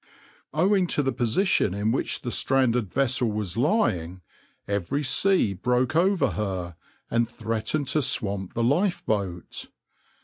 \par Owing to the position in which the stranded vessel was lying, every sea broke over her, and threatened to swamp the lifeboat.